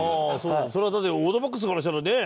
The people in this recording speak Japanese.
そりゃだってオートバックスからしたらね。